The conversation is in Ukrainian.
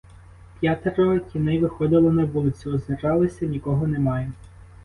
П'ятеро тіней виходило на вулицю, озиралися; нікого немає.